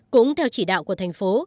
cũng theo chỉ đạo của thành phố